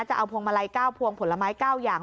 จะเอาพวงมาลัย๙พวงผลไม้๙อย่าง